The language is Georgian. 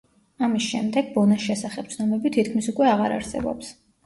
ამის შემდეგ, ბონას შესახებ ცნობები თითქმის უკვე აღარ არსებობს.